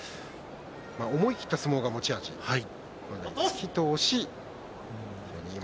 思い切った相撲が持ち味です。